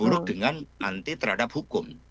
buruk dengan anti terhadap hukum